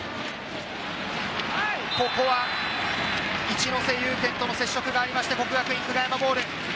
ここは市瀬優健との接触がありまして、國學院久我山ボール。